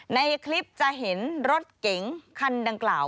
ในคลิปจะเห็นรถเก๋งคันดังกล่าว